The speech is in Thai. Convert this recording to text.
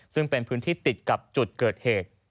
ซึ่งเป็นพื้นที่ติดกับจุดเกิดเหตุ